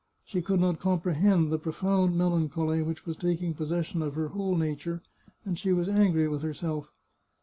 She could not comprehend the profound melancholy which was taking possession of her whole nature, and she was angry with herself.